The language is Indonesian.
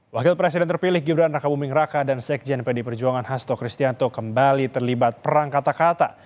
wakil presiden terpilih gibran raka buming raka dan sekjen pd perjuangan hasto kristianto kembali terlibat perang kata kata